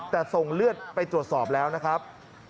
แต่ส่งเลือดไปตรวจสอบแล้วนะครับ